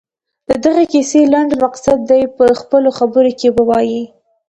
د دغې کیسې لنډ مقصد دې په خپلو خبرو کې ووايي.